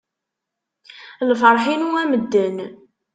Lferḥ-inu a medden.